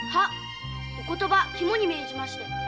お言葉肝に銘じまして。